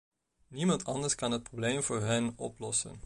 Niemand anders kan het probleem voor hen oplossen.